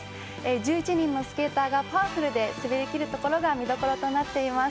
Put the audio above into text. １１人のスケーターがパワフルで、滑りきるところが見どころとなっています。